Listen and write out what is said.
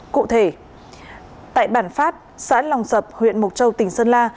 cụ thể tại bản phát xã lòng sập huyện mộc châu tỉnh sơn la